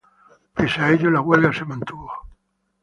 Pese a ello, la huelga se mantuvo.